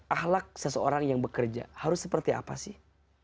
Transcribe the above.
ahlak seseorang yang bekerja harus seperti apa sih